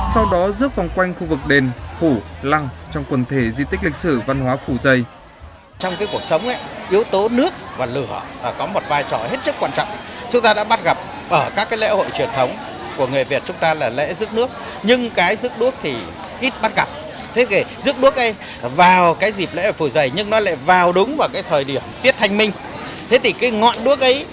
sau đó rước vòng quanh khu vực đền phủ lăng trong quần thể di tích lịch sử văn hóa phủ dây